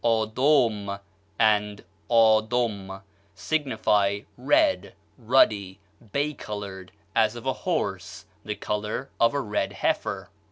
ÂDôM and ÂDOM signifies red, ruddy, bay colored, as of a horse, the color of a red heifer.